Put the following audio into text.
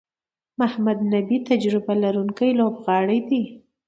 محمد نبي تجربه لرونکی لوبغاړی دئ.